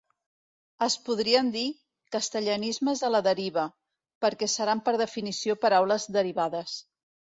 En podríem dir "castellanismes a la deriva", perquè seran per definició paraules derivades.